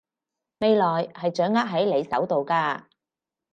未來係掌握喺你手度㗎